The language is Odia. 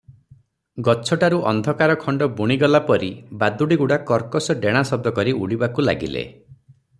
ଗଛଟାରୁ ଅନ୍ଧକାରଖଣ୍ତ ବୁଣିଗଲା ପରି ବାଦୁଡ଼ିଗୁଡ଼ା କର୍କଶ ଡେଣା ଶବ୍ଦ କରି ଉଡ଼ିବାକୁ ଲାଗିଲେ ।